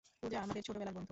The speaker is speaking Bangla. পূজা আমাদের ছোটবেলার বন্ধু।